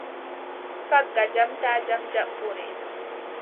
Fagga jam taa jam jaɓore.